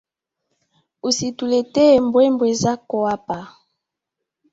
Usituletee mbwembwe zako hapa